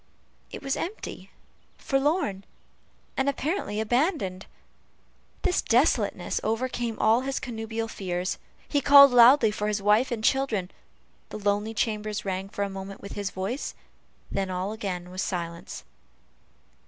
It was empty, forlorn, and apparently abandoned. This desolateness overcame all his connubial fears he called loudly for his wife and children the lonely chambers rang for a moment with his voice, and then all again was silence.